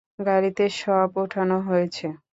গাড়িতে সব উঠানো হয়েছে।